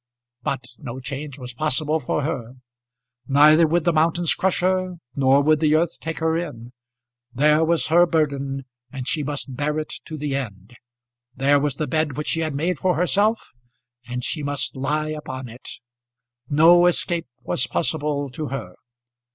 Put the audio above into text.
But no change was possible for her. Neither would the mountains crush her, nor would the earth take her in. There was her burden, and she must bear it to the end. There was the bed which she had made for herself, and she must lie upon it. No escape was possible to her.